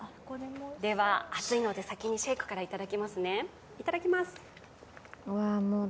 では、暑いので先にシェイクからいただきますね。